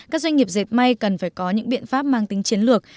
các doanh nghiệp dệt may cần phải có những biện pháp mang tính chiến lược